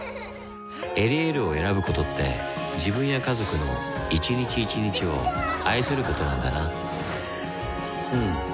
「エリエール」を選ぶことって自分や家族の一日一日を愛することなんだなうん。